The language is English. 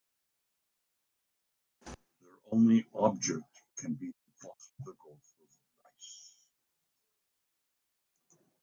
Their only object can be to foster the growth of the rice.